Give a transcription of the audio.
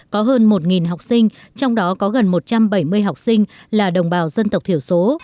có hơn một học sinh trong đó có gần một trăm bảy mươi học sinh là đồng bào dân tộc thiểu số